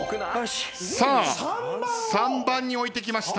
さあ３番に置いてきました。